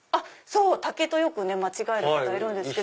竹とよく間違える方いるけど。